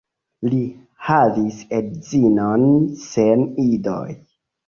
Li havis edzinon sen idoj.